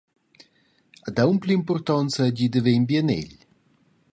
Ed aunc pli impurtont seigi da haver in bien egl.